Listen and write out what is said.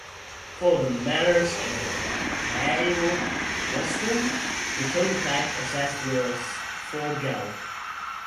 For the manors at Hail Weston the total tax assessed was four geld.